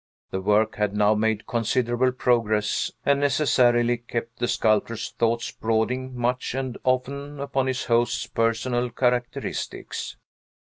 The work had now made considerable progress, and necessarily kept the sculptor's thoughts brooding much and often upon his host's personal characteristics.